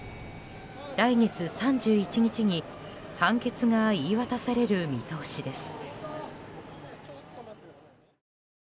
来月３１日に判決が言い渡される見通しです。